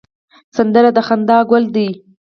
سندره د خندا ګل ده